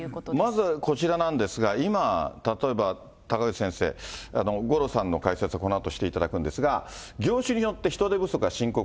まずこちらなんですが、今、例えば、高口先生、五郎さんの解説、このあとしていただくんですが、業種によって人手不足が深刻。